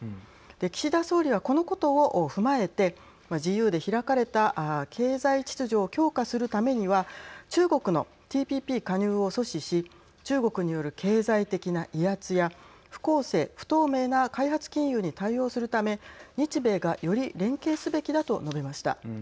岸田総理は、このことを踏まえて自由で開かれた経済秩序を強化するためには中国のＴＰＰ加入を阻止し中国による経済的な威圧や不公正・不透明な開発金融に対応するため日米が、より連携すべきだと述べました。